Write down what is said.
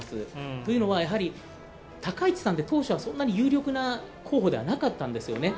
というのは、やはり高市さんって当初はそんなに有力な候補ではなかったんですよね。